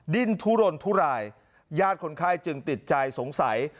ดิ้นทุรนทุรายญาติคนไข้จึงติดใจสงสัย